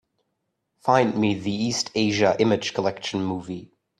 Find me the East Asia Image Collection movie.